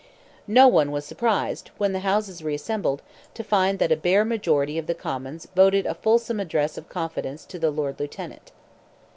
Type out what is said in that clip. No one was surprised, when the Houses reassembled, to find that a bare majority of the Commons voted a fulsome address of confidence to the Lord Lieutenant.